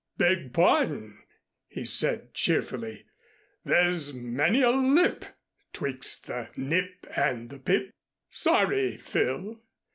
"Beg pardon," he said cheerfully. "There's many a lip 'twixt the nip and the pip. Sorry, Phil."